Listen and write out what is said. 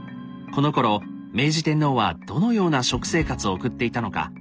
このころ明治天皇はどのような食生活を送っていたのか。